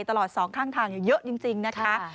ตลอดสองข้างทางเยอะจริงนะคะ